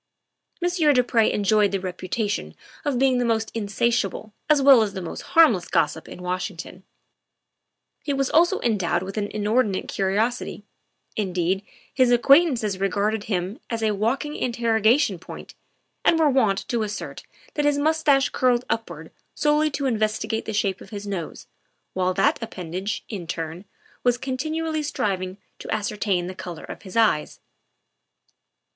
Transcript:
Monsieur du Pre enjoyed the reputation of being the most insatiable as well as the most harmless gossip in Washington; he was also endowed with an inordinate curiosity indeed, his acquaintances regarded him as a walking interrogation point, and were wont to assert that his mustache curled upward solely to investigate the shape of his nose, while that appendage, in turn, was continually striving to ascertain the color of his eyes.